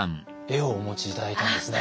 絵をお持ち頂いたんですね。